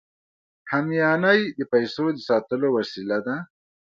همیانۍ د پیسو د ساتلو وسیله ده